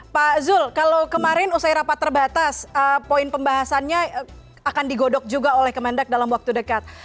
pak zul kalau kemarin usai rapat terbatas poin pembahasannya akan digodok juga oleh kemendak dalam waktu dekat